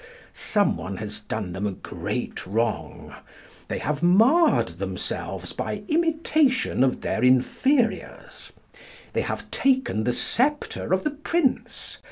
Someone has done them a great wrong. They have marred themselves by imitation of their inferiors. They have taken the sceptre of the Prince.